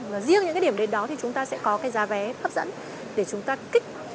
và riêng những cái điểm đến đó thì chúng ta sẽ có cái giá vé hấp dẫn để chúng ta kích